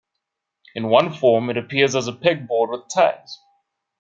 In one form, it appears as a pegboard with tags.